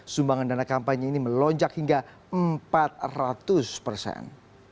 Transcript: sumbangan dana kampanye ini melonjak hingga empat ratus persen